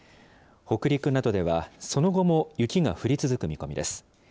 北陸などではその後も雪が降り続く見込みです。